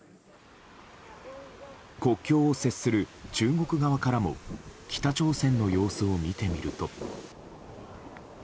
国境を接する中国側からも北朝鮮の様子を見てみると。